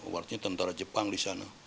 waktunya tentara jepang disana